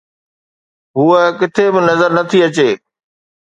هوءَ ڪٿي به نظر نٿي اچي.